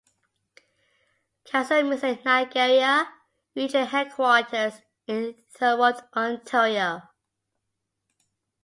Council meets at Niagara Region Headquarters in Thorold, Ontario.